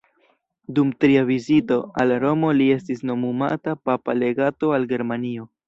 Dum tria vizito al Romo li estis nomumata papa legato al Germanio.